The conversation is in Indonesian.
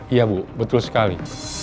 iya bu betul sekali